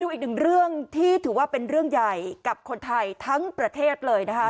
อีกหนึ่งเรื่องที่ถือว่าเป็นเรื่องใหญ่กับคนไทยทั้งประเทศเลยนะคะ